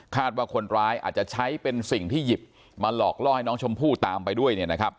ว่าคนร้ายอาจจะใช้เป็นสิ่งที่หยิบมาหลอกล่อให้น้องชมพู่ตามไปด้วย